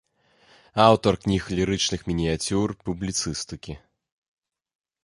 Аўтар кніг лірычных мініяцюр, публіцыстыкі.